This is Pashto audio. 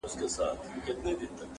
نن به یې لوی ښاخونه٫